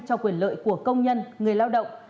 cho quyền lợi của công nhân người lao động